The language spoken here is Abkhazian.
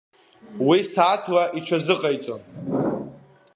Уи сааҭла иҽазыҟаиҵон.